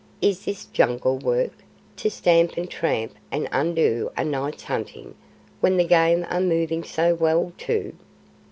"Is this jungle work, to stamp and tramp and undo a night's hunting when the game are moving so well, too?"